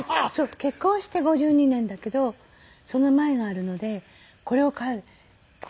結婚して５２年だけどその前があるのでこれを加えれば。